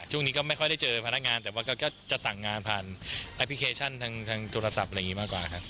ช่วงนี้ก็ไม่ค่อยได้เจอพนักงานแต่ว่าก็จะสั่งงานผ่านแอปพลิเคชันทางโทรศัพท์อะไรอย่างนี้มากกว่าครับ